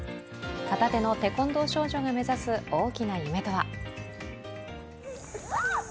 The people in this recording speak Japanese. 片手のテコンドー少女が目指す大きな夢とは。